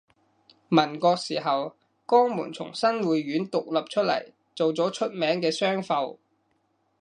民國時候江門從新會縣獨立出嚟做咗出名嘅商埠